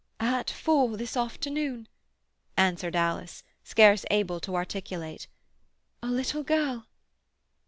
"At four this afternoon," answered Alice, scarce able to articulate. "A little girl."